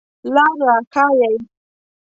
لار را ښایئ